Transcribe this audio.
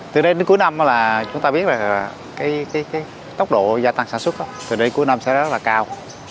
từ đây đến cuối năm chúng ta biết là tốc độ gia tăng sản xuất từ đây đến cuối năm sẽ rất là cao